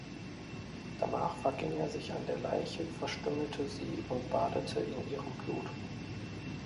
Danach verging er sich an der Leiche, verstümmelte sie und badete in ihrem Blut.